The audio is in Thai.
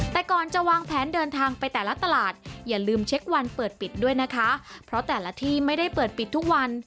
แต่ก่อนจะวางแผนเดินทางไปแต่ละตลาดอย่าลืมเช็ควันเปิดปิดด้วยนะคะเพราะแต่ละที่ไม่ได้เปิดปิดทุกวัน